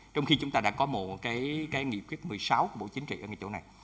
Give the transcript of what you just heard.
trong khi chúng ta đã có một cái nghị quyết một mươi sáu của bộ chính trị ở cái chỗ này